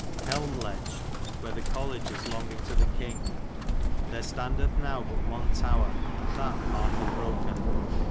Helmelege/ where the college is longinge to the Kynge. There stondithe now but one tower, and that partly broken.